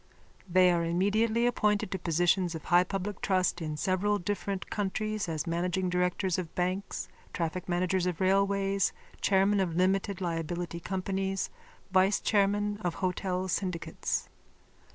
They are immediately appointed to positions of high public trust in several different countries as managing directors of banks, traffic managers of railways, chairmen of limited liability companies, vicechairmen of hotel syndicates.)